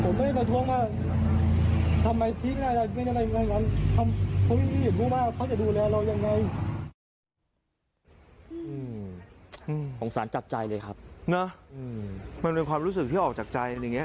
เนอะมันเป็นความรู้สึกที่ออกจากใจอย่างนี้